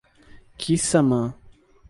Quissamã